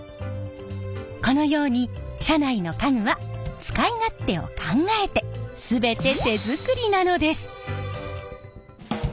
このように車内の家具は使い勝手を考えて全て手作りなのです！